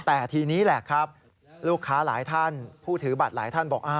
แต่ทีนี้แหละครับลูกค้าหลายท่านผู้ถือบัตรหลายท่านบอก